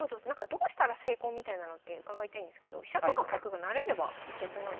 どうしたら成功みたいなのって伺いたいんですけど飛車とか角が成れれば成功なんですか？